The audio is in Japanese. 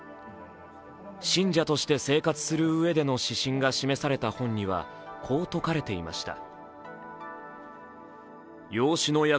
信者として生活するうえでの指針が示された本には、こう説かれていました。